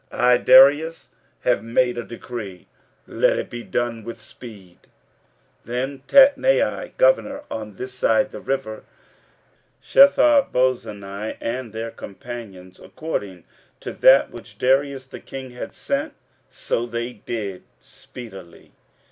I Darius have made a decree; let it be done with speed. 15:006:013 Then Tatnai, governor on this side the river, Shetharboznai, and their companions, according to that which Darius the king had sent, so they did speedily.